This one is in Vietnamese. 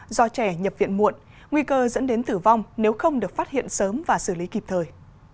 do trẻ nhập viện muộn nguy cơ dẫn đến tử vong nếu không được phát hiện sớm và xử lý kịp thời